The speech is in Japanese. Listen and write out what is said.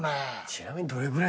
ちなみに。